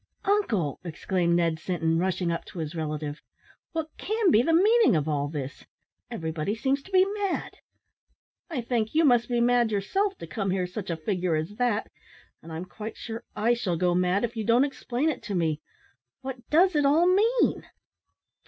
"Uncle!" exclaimed Ned Sinton, rushing up to his relative, "what can be the meaning of all this? Everybody seems to be mad. I think you must be mad yourself, to come here such a figure as that; and I'm quite sure I shall go mad if you don't explain it to me. What does it all mean?"